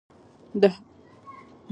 د هر ګوند ګټې د بل په بقا کې دي